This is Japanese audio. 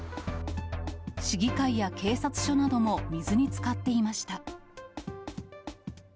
市議会や警察署なども水につかっていました。